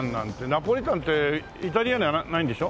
ナポリタンってイタリアにはないんでしょ？